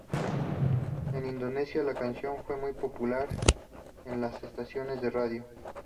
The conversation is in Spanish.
En Indonesia, la canción fue muy popular en las estaciones de radio.